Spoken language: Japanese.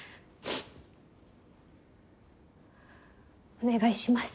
お願いします。